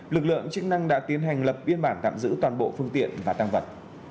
lực lượng chức năng đã tiến hành lập biên bản tạm giữ toàn bộ phương tiện và tăng vật